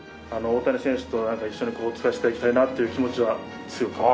大谷選手とは一緒にしていきたいなという気持ちは強く持ってます。